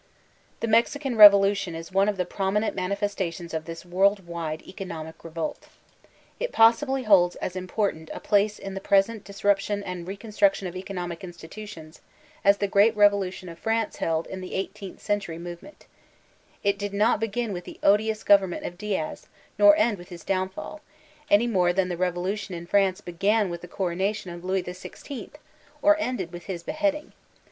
The Mexican revolution is one of the prominent mani festations of this world ¥ride economic revolt It possi bly holds as important a place in the present disruption and reconstruction of economic institutions, as the great revolution of France held in the eighteenth century move ment It did not begin with the odious government of Diaz nor end with his downfall, any more than the revo lution m France b^an with the coronation of Louis XVI, or ended with his beheading.